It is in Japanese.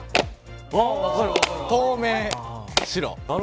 透明、白。